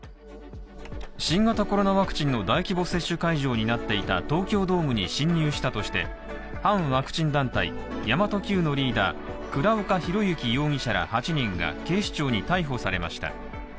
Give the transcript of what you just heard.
新型コロナワクチンの大規模接種会場になっていた東京ドームに侵入したとして反ワクチン団体、神真都Ｑのリーダー倉岡宏行容疑者ら８人が警視庁に逮捕されました。